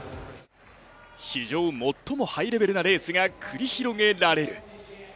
史上最もハイレベルなレースが繰り広げられる。